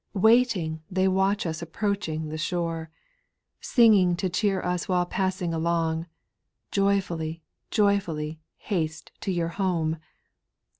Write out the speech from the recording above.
Waiting, they watch us approaching the shore. Singing to cheer us while passing along — Joyfully, joyfully, haste to your home.